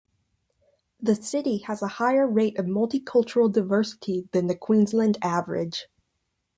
The city has a higher rate of multicultural diversity than the Queensland average.